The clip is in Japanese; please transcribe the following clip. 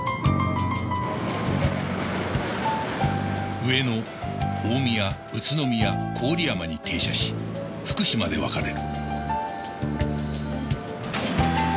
上野大宮宇都宮郡山に停車し福島で分かれる